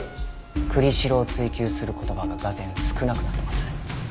栗城を追及する言葉が俄然少なくなってます。